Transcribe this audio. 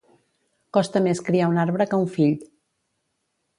Costa més criar un arbre que un fill.